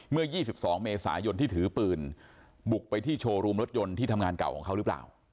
เมื่อ๒๒เมษายนที่ถือปืนบุกไปที่โชว์รูมรถยนต์ที่ทำงานเก่าของเขาหรือเปล่า